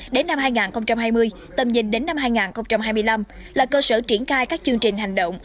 đến năm hai nghìn hai mươi tầm nhìn đến năm hai nghìn hai mươi năm là cơ sở triển khai các chương trình hành động